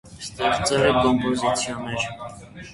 Ստեղծել է կոմպոզիցիաներ։